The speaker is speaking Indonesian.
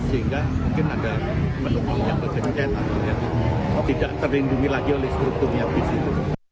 sehingga mungkin ada penumpang yang tercecet atau yang tidak terlindungi lagi oleh strukturnya di situ